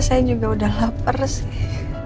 saya juga udah lapar sih